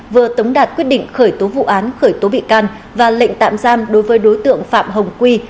vừa tống đạt quyết định khởi tố vụ án khởi tố bị can và lệnh tạm giam đối với đối tượng phạm hồng quy